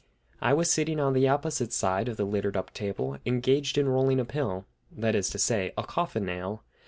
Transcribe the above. I was sitting on the opposite side of the littered up table, engaged in rolling a pill, that is to say, a coffin nail.